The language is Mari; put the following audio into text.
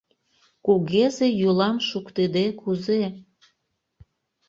Кугезе йӱлам шуктыде кузе?